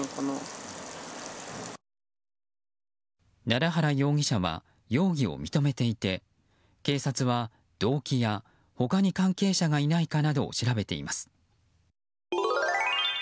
奈良原容疑者は容疑を認めていて警察は動機や他に関係者がいないかなどを調べています。